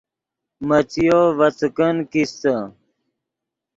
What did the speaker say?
مڅیو ڤے څیکن کیستے